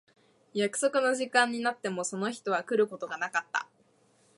約束の時間になってもその人は来ることがなかった。